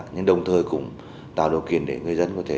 nhưng đồng thời cũng tạo điều kiện để người dân có thể